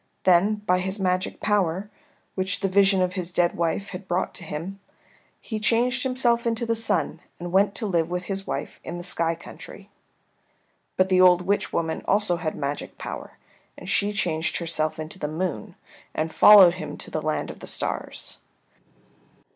Then by his magic power, which the vision of his dead wife had brought to him, he changed himself into the Sun, and went to live with his wife in the sky country. But the old witch woman also had magic power, and she changed herself into the Moon and followed him to the land of the stars.